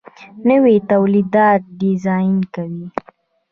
نوي تولیدات ډیزاین کوي.